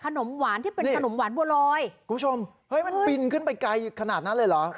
ขนมหวานที่เป็นขนมหวานบัวลอยคุณผู้ชมเฮ้ยมันบินขึ้นไปไกลขนาดนั้นเลยเหรอ